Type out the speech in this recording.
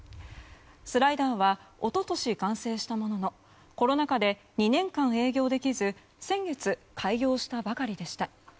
スライダーは一昨年完成したもののコロナ禍で２年間、営業できず先月、開業したばかりでした。